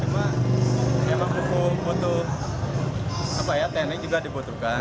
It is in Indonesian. cuma memang untuk teknik juga dibutuhkan